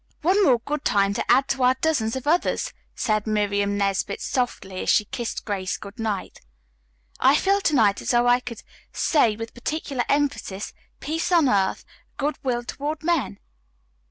"One more good time to add to our dozens of others," said Miriam Nesbit softly as she kissed Grace good night. "I feel to night as though I could say with particular emphasis: 'Peace on Earth, Good Will Toward Men.'"